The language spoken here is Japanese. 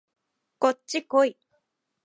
こっちこい